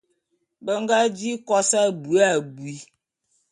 Be nga di kos abui abui.